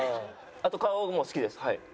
あと顔も好きですはい。